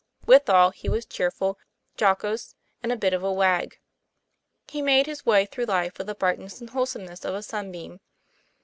Withal, he was cheerful, jo cose, and a bit of a wag. He made his way through life with the brightness and wholesomeness of a sun beam.